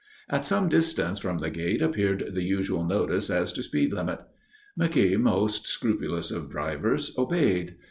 At some distance from the gate appeared the usual notice as to speed limit. McKeogh, most scrupulous of drivers, obeyed.